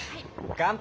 乾杯！